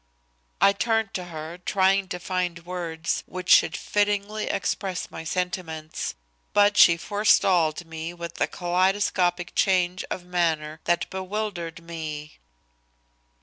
I turned to her, trying to find words, which should fittingly express my sentiments, but she forestalled me with a kaleidoscopic change of manner that bewildered me.